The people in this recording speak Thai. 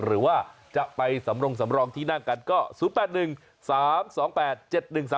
หรือว่าจะไปสำรงสำรองที่นั่งกันก็๐๘๑๓๒๘๗๑๓